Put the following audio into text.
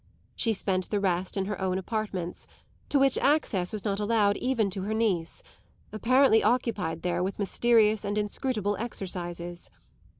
She spent the rest in her own apartments, to which access was not allowed even to her niece, apparently occupied there with mysterious and inscrutable exercises.